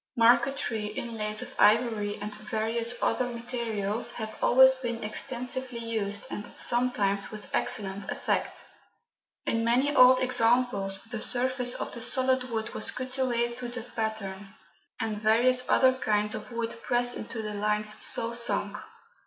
Marquetry, inlays of ivory, and various other materials have always been extensively used, and sometimes with excellent effect. In many old examples the surface of the solid wood was cut away to the pattern, and various other kinds of wood pressed into the lines so sunk.